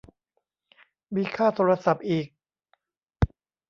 มีค่าโทรศัพท์อีก